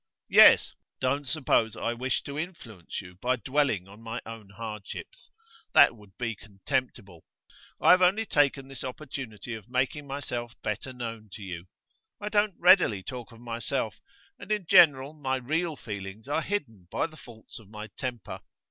'Yes. Don't suppose I wish to influence you by dwelling on my own hardships. That would be contemptible. I have only taken this opportunity of making myself better known to you. I don't readily talk of myself and in general my real feelings are hidden by the faults of my temper.